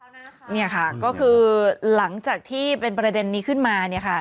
เนี่ยค่ะก็คือหลังจากที่เป็นประเด็นนี้ขึ้นมาเนี่ยค่ะ